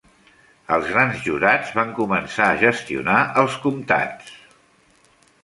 Els grans jurats van començar a gestionar els comptats.